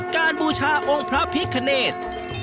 การบูชาองค์พระพิกเนต